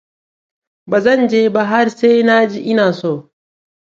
Ba zan je ba har sai na ji ina so.